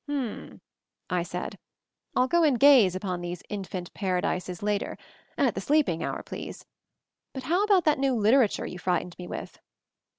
"Mm!" I said. "I'll go and gaze upon these Infant Paradises later — at the sleeping hour, please ! But how about that new liter ature you frightened me with?"